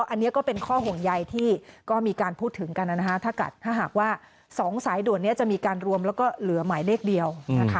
อันนี้ก็เป็นข้อห่วงใยที่ก็มีการพูดถึงกันถ้าหากว่า๒สายด่วนนี้จะมีการรวมแล้วก็เหลือหมายเลขเดียว